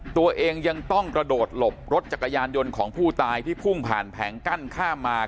ตัวเองยังต้องกระโดดหลบรถจักรยานยนต์ของผู้ตายที่พุ่งผ่านแผงกั้นข้ามมา